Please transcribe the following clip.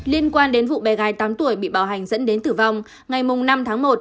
liên quan đến vụ bé gái tám tuổi bị bạo hành dẫn đến tử vong ngày năm tháng một